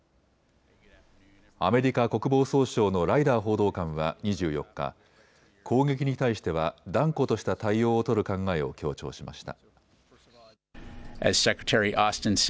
アメリカ国防総省のライダー報道官は２４日、攻撃に対しては断固とした対応を取る考えを強調しました。